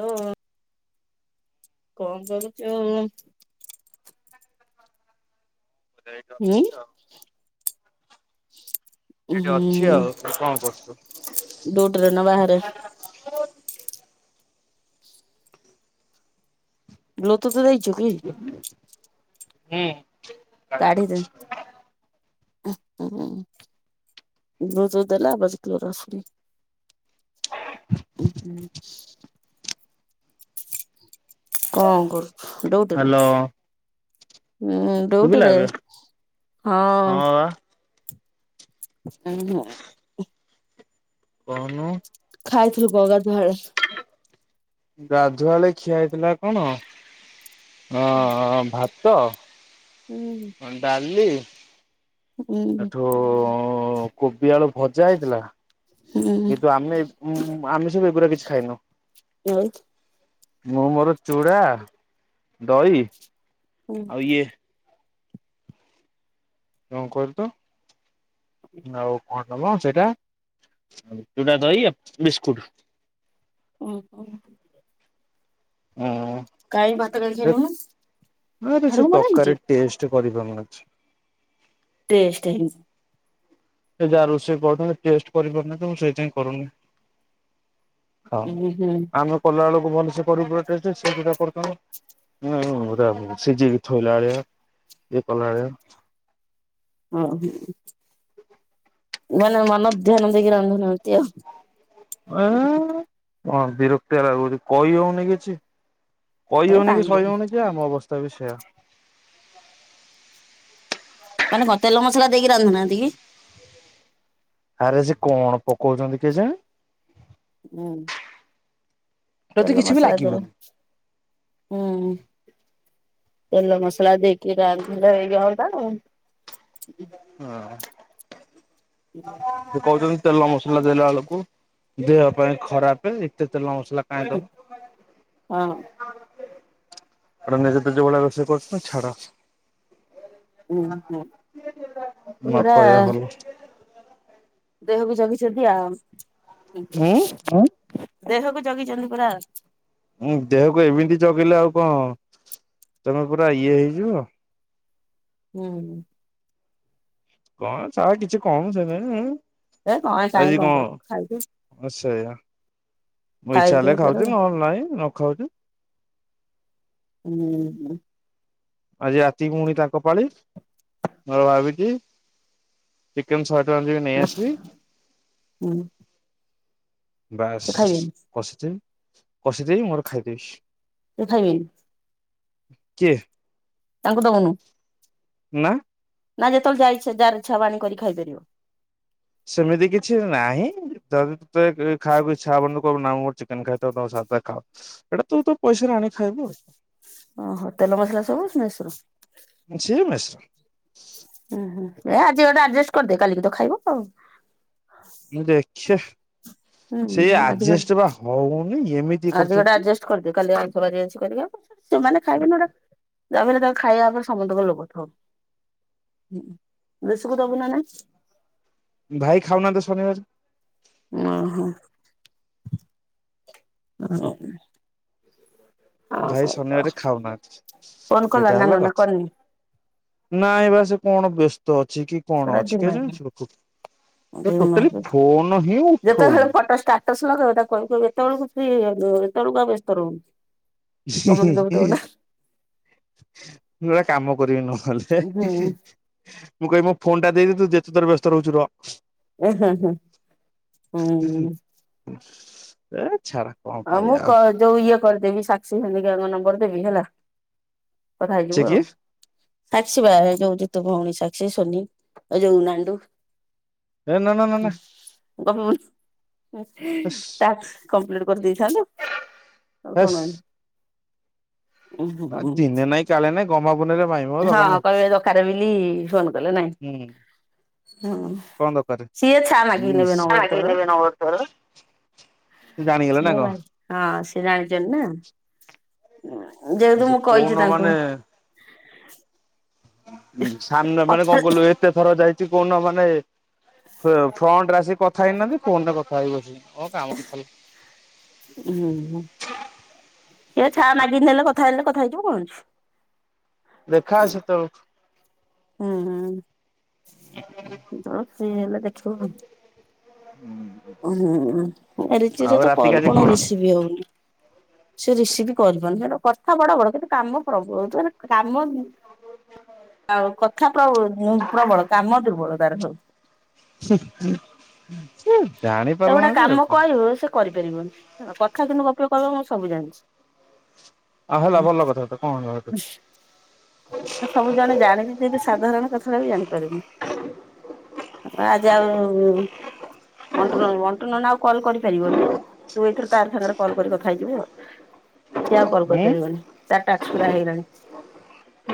Hello କଣ କରୁଛୁ? ଏ ହୁଁ ଅଛି ଆଉ ଏଇଠି ଅଛି ଆଉ କଣ କରୁଛୁ? ଡୁଟି ରେ ନା ବାହାରେ? ବ୍ଲୁତୁଥ୍ ଦେଇଛୁ କି? ହୁଁ। କାଡିଦେ ହୁଁ। ବ୍ଲୁ ଟୂଥ ଦେଲା ଆବାଜ୍ କ୍ଲିଅର ଆସୁନି। ହୁଁ ହୁଁ। କଣ କରୁଛୁ? ଡୁଟିରେ ହ୍ୟାଲୋ ହୁଁ। ଶୁଭିଲା ଡୁଟିରେ ଏବେ? ହଁ। ହଁ ବା ଉଁ ହୁଁ। କହୁନୁ ଖାଇଥିଲୁ ପା ଗାଧୁଆଳେ ଗାଧୁଆଳେ ଖିଆ ହେଇଥିଲା କଣ ହଁ ହଁ ଭାତ ହୁଁ। ହଁ ଡାଲି ହୁଁ ଏଠୁ କୋବି ଆଳୁ ଭଜା ହେଇଥିଲା ହୁଁ କିନ୍ତୁ ଆମେ ଉୁଁ ଆମେ ସବୁ ଏଗୁୁରା କିଛି ଖାଇନୁ। ଆଉ? ମୁଁ ମୋର ଚୁଡା ଦହି ଆଉ ଇଏ କଣ କରୁ ତ ଆଉ କଣ? ମ ସେଇଟା ଯୋଟା ଦହି ବିସ୍କୁଟ ଉ ହୁଁ। ହୁଁ। କାଇ ଭାତ ଆରେ ସେ [unintelligible] ନା ତରକାରୀ ହେଇଛି। ଟେଷ୍ଟ କରିପାରୁନି କିଛି। ଟେଷ୍ଟେ ହେ ସେ ଯାହା ରୋଷେଇ କରୁ ଟେଷ୍ଟ କରିପାରୁନି ତ ମୁଁ ସେଇଥିପାଇଁ କରୁନି। ହଁ ହୁଁ ହୁଁ ଆମେ କଲାବେଳକୁ ଭଲସେ କର ସେଟା କରଥା ହ ସିଜିକି ଥୋଇଲା ଭଳିଆ ଇଏ କଲା ଭଳିଆ ଓ ହୋ ମାନେ ମନ ଧ୍ୟାନ ଦେଇକି ରାନ୍ଧୁନାହାନ୍ତି ଆଉ। ଆ ବିରକ୍ତିଆ ଲାଗୁଛି କହି ହଉନି କିଛି। ଏ କହିହଉନି କାଇଁ କି କହୁଛୁ ଶହିହଉନି ଯେ ଆମ ଅବସ୍ଥା ବି ସେୟା। ମାନେ କଣ ତେଲ ମସଲା ଦେଇକି ରାନ୍ଧୁନାହାନ୍ତି କି? ଆରେ ସେ କଣ ପକଉଛନ୍ତି କେଜାଣି? ହୁଁ। ତତେ ତେଲ କିଛି ବି ମସଲା [unintelligible] ଲାଗିବନି। ହୁଁ। ତେଲ ମସଲା ଦେଇକି ରାନ୍ ହେଇ ହନ୍ତା। ହଁ। ହୁଁ ସେ କହୁଛନ୍ତି ତେଲ ମସଲା ଦେଲା ବେଳକୁ ଦେହ ପାଇଁ ଖରାପ ଏତେ ତେଲ ମସଲା କାଇଁ ଦବ। ହଁ। ଆ ନିଜେ ତ ଯୋଉ ଭଳିଆ ରୋଷେଇ କରୁଛ ଛାଡ। ହୁଁ ହୁଁ ନ ପୁରା କହିବା ଭଲ। ଦେହକୁ ଜଗିଛନ୍ତି ଆଉ, ଉଁ ହୁଁ, ଦେହକୁ ଜଗିଛନ୍ତି ପୁରା। ଉଁ, ଦେହକୁ ଏମିତି ଜଗିଲେ ଆଉ କଣ, ତମ ପୁରା ଇଏ ହେଇଯିବ। ହୁଁ। କଣ ସା କିଛି କଣ ସେ [unintelligible] ଉଁ। ଏ କଣ କାହିଁ ଆଜି କଣ? କହିବୁ ଖାଇଦେ। ହଁ ସେୟା। ମୁଁ ଇଚ୍ଛା ଖାଇଦେ ହେଲେ ତୋର ଖାଉଛି, ନହେଲେ ନାଇଁ ନ ଖାଉଛି। ହୁଁ, ହୁଁ। ଆଜି ରାତି ପୁଣି ତାଙ୍କ ପାଳି, ମୋର ଭାବିତି ଚିକେନ୍ ଶହେ ଟଆଁ ର ଯିବି ନେଇ ଆସିବି। ହୁଁ ବାସ୍! ସେ ଖାଇବେନି କଷିଦେବି, କଷି ଦେଇ ମୋର ଖାଇଦେବି। ସେ ଖାଇବେନି। କିଏ? ତାଙ୍କୁ ଦଉନୁ। ନାଁ। ନା ଯେତେବେଳେ ଯା ଇଛା, ଯାର୍ ଇଛା, ହବ ଆଣିକ କରି ଖାଇପାରିବ। ସେମିତି କିଛି ନାହିଁ, ଯଦି ତତେ ଖାଇଆକୁ ଇଛା ହବନି, ତୁ କହିବୁ ନା ମୋର ଚିକେନ୍ ଖାଇ ଥାଉ ତମେ ସାଧା ଖାଅ। ଏଟା ତୁ ତ ପଇସାରେ ଆଣିକି ଖାଇବୁ ଆଉ। ଓହୋ! ତେଲ ମସଲା ସବୁ ମେସ୍ ରୁ। ଆଉ ସିଏ ମେସରା ଉ ହୁଁ, ଏ ଆଜି ଗୋଟେ ଆଡ୍ ଜେଷ୍ଟ କରିଦେ, କାଲିକିତ ଖାଇବ ଆଉ। ମୁଁ ଦେଖ! ହୁଁ ସେ ଆଜି ଆଡ୍ ଗୋଟେ ଜେଷ୍ଟ ବା ହଉନି, ଏମିତି ଇଏ ଆଜି ଗୋଟେ କରୁଛନ୍ତି। ଆଡଜଷ୍ଟ କରିଦିଅ କାଲି ଆଇଁଷ ବାରି କରିବାକୁ, ସେମାନେ ଖାଇବେନି ଗୋଟେ ତା'ପରେ ତାଙ୍କ ଖାଇବା ଉପରେ ସମସ୍ତଙ୍କ ଲୋଭ ଥିବ। ହୁଁ, ଦେଶକୁ ଦବୁନା ନା! ଭାଇ ଖାଉ ନାନ୍ତି ତ ଶନିବାରେ। ଅଁ, ହଁ। [unintelligible] ଭାଇ ଓହୋ ଶନିବାରେ ଖାଉନାହାଁନ୍ତି। ଫୋନ କଲା ସେଇଟା ନାନୁ ନା ହେଲା ନନା କଥ୍। କରିନି ନାଇଁ ବା ସେ କଣ ବ୍ୟସ୍ତ ଅଛି କି? କଣ ସେଟା ଅଛି ଦିମାଗି କେଜାଣି? ସେ ଟୋଟାଲି ଦିମାଗି ଫୋନ୍ ହିଁ ଯେତେବେଳେ ଉଠଉନି। [unintelligible] କହିବୁ ଏତେବେଳକୁ ଫ୍ରି [unintelligible] ଏତଅଳକୁ ଆଉ ବ୍ୟସ୍ତ ରହୁନୁ। [unintelligible] କାମ କରିବି ନହେଲେ। ହୁଁ ହୁଁ ହେ, ମୁଁ କହିବି ମୋ ଫୋନ୍ ଟା ଦେଇଦେ, ତୁ ଯେତେଥର ବ୍ୟସ୍ତ ରହୁଛୁ ରହ। ଏ ହେ ହେ, ହୁଁ। ଏ ଛାଡ଼! ହଁ, ମୁଁ କ ଯୋଉ ଇଏ କରିଦେବି, ସାକ୍ଷୀ ହେରିକାଙ୍କ ନମ୍ବର ଦେବି ହେଲା। କଥା ସେ ହେଇଯିବୁ କିଏ ଆଉ। ସାକ୍ଷ୍ସୀ ବା ଯୋଉ, ଯିତୁ ଭଉଣୀ ସାକ୍ଷ୍ସୀ, ସୋନି ଏ ଯଉ ନାଣ୍ଡୁ। ଏ ନା ନା ନା ନା ହୁଁ, ଗପିବୁନ୍ ହେସ୍ ଟାକ୍ସ କଂପ୍ଲିଟ୍। କରି ଦେଇଥାନ୍ତୁ, ତୋର ହେସ୍। କଣ ଅଛି? ଆ ଦିନେ ନାଇଁ, କାଳେ ନାଇଁ, ଗହ୍ମା ପୁନେଇରେ ମାଇଁ। ହଁ, କହିବେ ଦକାରେ, ବିଲି ଫୋନ୍ କଲେ ନାଇଁ। ହୁଁ ହଁ କଣ ଦକାରେ? ସିଏ ଛା ମାଗିକି ଉଁ ନେବେ ସ, ଏ ନମ୍ବର ମାଗିକି ତୋର ନେବେ ନମ୍ବର ତୋର। ସେ ଜାଣିଗଲେ ନା ସିଏ କଁ? ମା ହଁ, ସେ ଜାଣିଚନି ନା, ଯେହେତୁ ସେ ମୁଁ କୋଉନ କହିଛି ତାଙ୍କୁ। ମାନେ ସାମ୍ନ ମାନେ କଥା କଣ କହିଲୁ? ଏତେ ଥର ଯାଇଛି କହୁନ ମାନେ ଫ-ଫ୍ରଣ୍ଟରେ ଆସିକି କଥା ହେଇନାହାଁନ୍ତି, ଫୋନ୍ ରେ କଥା ହେବି ବସିକି, ମୋ କାମ ନଥିଲା। ହୁଁ। ଏ ଛାଁ ନାଗିନ୍ ଦେଲେ କଥା ହେଲେ, କଥା ହେଇଯିବୁ କଣ ଅଛି? ଦେଖା ଆ ସେତଅଳକୁ। ହୁଁ- ହୁଁ ଆଉ ଫ୍ରି ହେଲେ ଦେଖିବୁ ଆଉ। ହୁଁ। ହୁଁ- ହୁଁ ରିଚିର ତ କଲ୍ କଣ ରିସିଭ୍ ହଉନି। ସେ ରିସିଭ୍ କରିବନି, ତାର କଥା ବଡ ବଡ କିନ୍ତୁ କାମ ପ୍ରବ ମାନେ କାମ ଆଉ କଥା ପ୍ର ପ୍ରବଳ କାମ ଦୁର୍ବଳ ତାର ସବୁ। ହ। ତାକୁ ଗୋଟେ କାମ କହିବୁ ସେ କରିପାରିବନି, କଥା କିନ୍ତୁ ଗପିବ କହିବ ମୁଁ ସବୁ ଜାଣିଚି। ହଁ ହେଲା ଭଲ କଥା ସେଟା କଣ ହେଲା ହେଠୁ। ସେ ସବୁ ଜାଣେ, ଜାଣିନି ସାଧାରଣ କଥାଟା ବି ଜାଣିପାରୁନି। ତାପରେ ଆଜି ଆଉ ମଟୁନ ମଣ୍ଟୁନନା ଆଉ କଲ୍ କରିପାରିବନି? ତୁ ଏଇଥର ତାରି ସାଙ୍ଗରେ କଲ୍ କରି କଥା ହେଇଯିବୁ ଆଉ। ସେ ଆଉ କଲ୍ ଉଁ କରିପାରିବନି, ତାର ଟାକ୍ସ ପୁରା ହେଇଗଲାଣି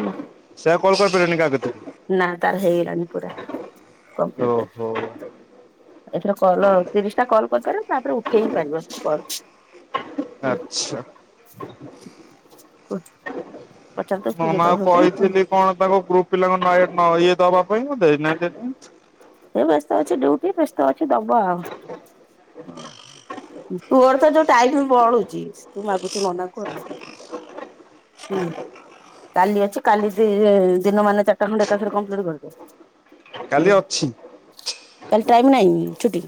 ହେଲା। ସେ ଆଉ କଲ୍ କରିପାରିବନିି କାହା କତିକି? ନା ତାର ହେଇଗଲାଣିି ପୁରା କଂପ୍ଲିଟ୍। ଓହୋ ଏଥର କଲ୍ ତିରିଶଟା କଲ୍ କରିପାରିବ, ତାପରେ ଉଠେଇ ବି ପାରିବ କଲ। ଆଚ୍ଛା। ମୋ ମା କୁ କହିଥିଲି [unintelligible] କଣ ତାଙ୍କ ଗ୍ରୁପ ପିଲାଙ୍କ [unintelligible] ଇଏ ଦବା ପାଇଁ ଗୋଟେ ଏ ବ୍ୟସ୍ତ ଅଛି ଡିଉଟି, ବ୍ୟସ୍ତ ଅଛି ଦବ ଆଉ। ତୋର ତ ଯୋଉ ଟାଇଟ ବଳୁଛି ତୁ ମାଗୁଛୁ ନନାକୁ ଆଉ। ହୁଁ। କାଲି ଅଛି, କାଲି ଦି ଦିନ ମାନେ ଚାରିଟା ଖଣ୍ଡେ ଏକାଥରେ କମ୍ପ୍ଲିଟ୍ କରିଦେ। କାଲି ଅଛି କାଲି ଟାଇମ୍ ନାଇଁ ଛୁଟି।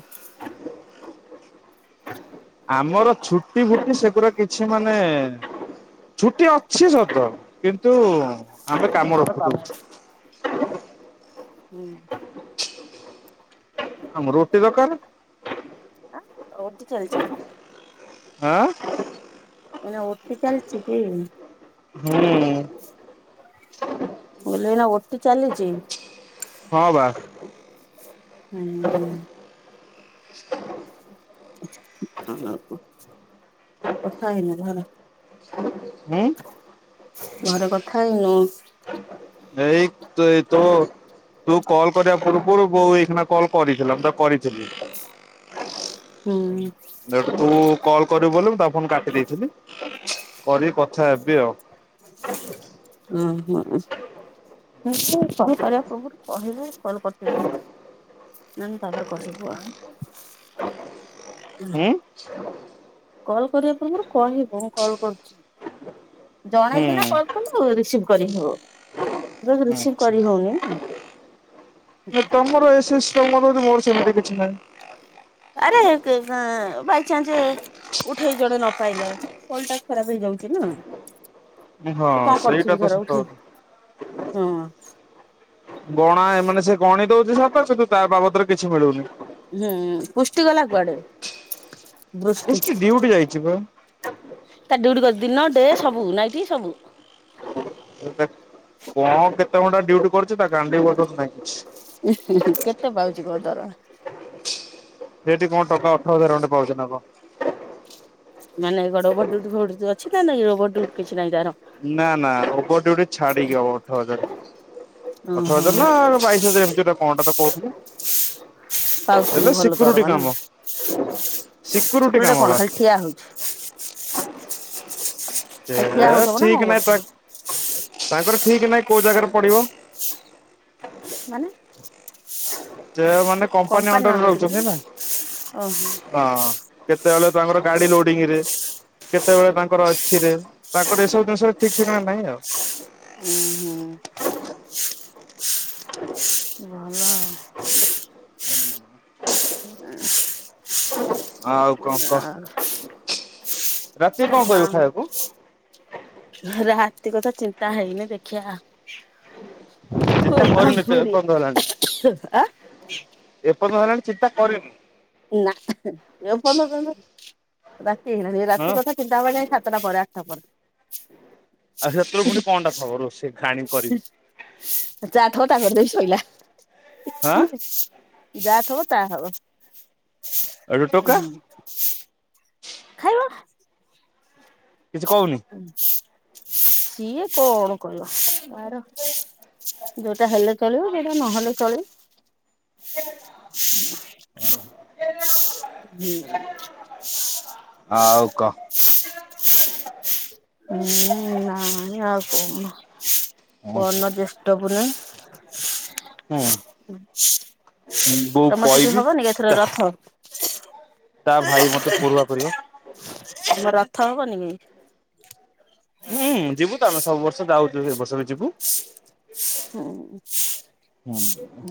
ଆମର ଛୁଟି ଫୁଟି, ସେଗୁରା କିଛି ମାନେ ଛୁଟି ଅଛି ସତ, କିନ୍ତୁ ଆମେ କାମ ରଖୁ ଦଉଛୁ। ହୁଁ। ଆମର ଓ ଟି ଦରକାରେ। ଓ ଟି ଚାଲିଛି କି? ଆଁ? ଏଇନେ ଓ ଟି ଚାଲିଛି କି? ହୁଁ। ମୁଁ କହିଲି ଏଇନା ଓ ଟି ଚାଲିଛି? ହଁ ବା। ହୁଁ- ହୁଁ। ଆଉ କଣ, କଥା ହେଇନ ଘର ହୁଁ। ଘରେ କଥା ହେଇନୁ? ଏଇ ତୁ ଏ ତୋ ତୁ କଲ୍ କରିବା ପୂର୍ବରୁ ବୋଉ ଏଇଖୀନା କଲ୍ କରିଥିଲା, ମୁଁ ତାକୁ କରିଥିଲି। ହୁଁ। ତୁ କଲ୍ କରିବୁ ବୋଲି ମୁଁ ତା ଫୋନ କାଟି ଦେଇଥିଲି, କରିକି କଥା ହେବି ଆଉ। ହଁ- ହଁ। ମୁଁ ତ କଲ୍ କରିବା ପୂର୍ବରୁ କହିବି, କଲ୍ କରୁଛି ବୋଲି। ନହେଲେ ତାପରେ କରିବୁ ଆଉ। [unintelligible] [inaudible] କଲ୍ କରିବା ପୂର୍ବରୁ କହିବୁ, ମୁଁ କଲ୍ କରୁଛି। ହୁଁ ଜଣେଇକିନା କଲ୍ କଲେ, ରିସିଭ୍ କରିହବ। [unintelligible] ହୁଁ ରିସିଭ୍ କରି ହଉନି ନା। ଏ ତମର ଏ ସିଷ୍ଟମ ଅଛି, ମୋର ସେମିତି କିଛି ନାହିଁ। ଆରେ [unintelligible] ବାଇଚାଞ୍ଚେ ଉଠେଇ ଜଣେ ନ ପାରିଲା କଲ୍ ଟା ଖରାପ ହେଇଯାଉଚି ନା। ହଁ ତୁ କଣ ସେଇଟା କରୁଥିବୁ ତ ଧର ସତ ଉଠେଇ କଥା। ହଁ। ଗଣା ଏ ମାନେ ସେ ଗଣି ଦଉଚି ସତ କିନ୍ତୁ ତା ବାବଦରେ କିଛି ମିଳୁନି। ହୁଁ ପୁଷ୍ଟି ଗଲା କୁଆଡ଼େ? ପୁଷ୍ଟି ଡିଉଟି ଯାଇଚି ପା। ତାର ଡିଉଟି କରୁଚି ଦିନ ଡେ ସବୁ ନାଇଟ୍ ସବୁ। [unintelligible] କଣ କେତେ ଘଣ୍ଟା ଡ୍ୟୁଟି କରୁଚି ତା ଗାଣ୍ଡି ମୁଣ୍ଡ ନାଇଁ। କେତେ ପାଉଚି କଣ ଦରମା? ସେ ହେଠି କଣ ଟଙ୍କା ଅଠର ହଜାର ଖଣ୍ଡେ ପାଉଚି ନା କଣ। ମାନେ ଓଭର୍ ଡ୍ୟୁଟି ଫ୍ୟୁଟି ଅଛି ନା ନାଇଁ ଓଭର୍ ଡ୍ୟୁଟି କିଛି ନାହିଁ ତାର? ନା ନା ଓଭର୍ ଡ୍ୟୁଟି ଛାଡି଼କି ହବ ଅଠର ହଜାର। ଅଠର ଓହୋ ହଜାର ନା ବାଇଶି ହଜାର ଏମିତି ଗୋଟେ କଣ ଗୋଟା ତ କହୁଥିଲେ। ପାଉଛି କିନ୍ତୁ ହେଲେ ଭଲ ସିକ୍ୟୁରିଟି ଦରମା ନା। କାମ ସିକ୍ୟୁରିଟି କାମ କଣ ବା। ଖାଲି ଠିଆ ହଉଚି। ଚେ ଖାଲି ଠିଆ ହଉଥିବ ନା କଣ ଠିକ୍ ନାଇଁ କରୁଥିବ ତା ତାଙ୍କର ଠିକ୍ ନାଇଁ କୋଉ ଜାଗାରେ ପଡ଼ିବ। ମାନେ? ସେ ମାନେ କମ୍ପାନୀ ଅଣ୍ଡରରେ ଅଣ୍ଡରଟେକିଂ ରେ ରହୁଛନ୍ତି ନା। ନା ଓହୋ। ହଁ। କେତେବେଳେ ତାଙ୍କର ଗାଡ଼ି ଲୋଡିଂ ରେ କେତେବେଳେ ତାଙ୍କର ଏଥିରେ, ତାଙ୍କର ଏସବୁ ଜିନିଷ ରେ ଠିକ୍ ଠିକଣା ନାହିଁ ଆଉ। ଉଁ ହୁଁ। ଭଲ। [unintelligible] ଆଉ [unintelligible] ରାତିକୁ କଣ କରିବ ଆଉ ଖାଇବାକୁ? ରାତି କଥା ଚିନ୍ତା ହେଇନି ଦେଖିଆ। ଚିନ୍ତା କରିନି ତ ଏପର୍ଯ୍ୟନ୍ତ [unintelligible] ଆ ଏ ପର୍ଯ୍ୟନ୍ତ ହେଲାଣି ଚିନ୍ତା କରିନ। ନା। [unintelligible] ରାତି ହେଇଲାଣି ହଁ ରାତି କଥା ଚିନ୍ତା କରିବା ସାତଟା ପରେ ଆଠଟା ପରେ। ଆଉ ସେତେବେଳେ ପୁଣି କଣ ଟା ଥିବ ରୋଷେଇ ଖାଣି ଯା ଥବ ତା କରିଦେବି ସଇଲା। ଆଁ ଯା ଥବ ତା ହବ। ଏଠୁ ଟୋକା ହୁଁ। ଖାଇବ। କିଛି କହୁନି? ସିଏ କଣ କହିବ। ତାର ଯୋଉଟା ହେଲେ ଚଳିବ ଯୋଉଟା ନହେଲେ ଚଳିବ। ହୁଁ। ଆଉ କ ହୁଁ ନାଇ ଆଉ କଣ। କଣ ପଅରଦିନ ଜ୍ୟେଷ୍ଠ ପୁନେଇ। ହୁଁ ବୋଉ ତମର ସେଠି କହିବି ହବନି ଏଥର ତା ରଥ? ତା ଭାଇ ମତେ ପୋରୁହା କରିବ। ତମର ରଥ ହବନି କି? ହୁଁମ ଯିବୁ ତ ଆମେ ସବୁ ବର୍ଷ ଯାଉଚୁ ଏ ବର୍ଷ ବି ଯିବୁ। ହୁଁ। ହୁଁ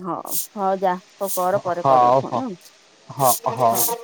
ହଉ ହଉ ଯା କଣ କର ପରେ କରିବୁ ହଉ ହଉ ଫୋନ ଆଉ। ହଉ।